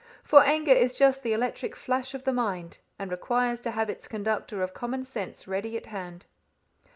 For anger is just the electric flash of the mind, and requires to have its conductor of common sense ready at hand.